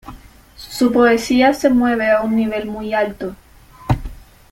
Su poesía se mueve a un nivel muy alto.